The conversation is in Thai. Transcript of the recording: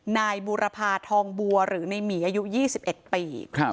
นายบูรพาทองบัวหรือในหมีอายุ๒๑ปี